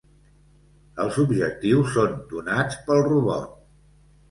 Els objectius són donats pel robot.